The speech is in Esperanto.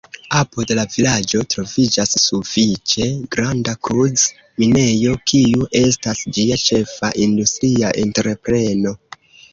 Apud la vilaĝo troviĝas sufiĉe granda gruz-minejo, kiu estas ĝia ĉefa industria entrepreno.